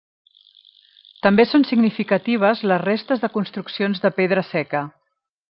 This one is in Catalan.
També són significatives les restes de construccions de pedra seca.